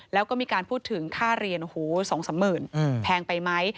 แล้วก็มีการพูดถึงค่าเรียนโอ้โห๒๓หมื่นแพงไปไหม